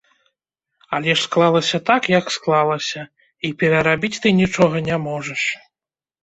Але ж склалася так, як склалася, і перарабіць ты нічога не можаш.